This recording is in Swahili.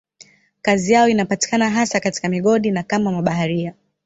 Kazi yao inapatikana hasa katika migodi na kama mabaharia.